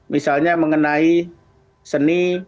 misalnya mengenai seni